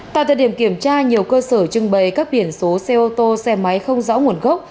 tại thời điểm kiểm tra nhiều cơ sở trưng bày các biển số xe ô tô xe máy không rõ nguồn gốc